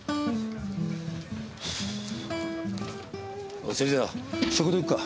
おっ芹沢食堂行くか？